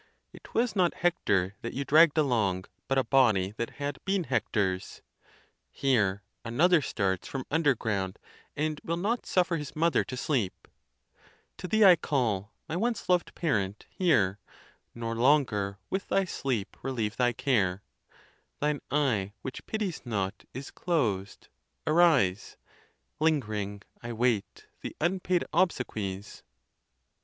It was not Hector that you dragged along, but a body that had been Hector's. Here another starts from underground, and will not suffer his mother to sleep: To thee I call, my once loved parent, hear, Nor longer with thy sleep relieve thy care ; Thine eye which pities not is closed—arise ; Ling'ring I wait the unpaid obsequies.